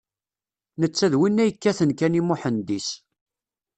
Netta d winna yekkaten kan i Muḥend-is.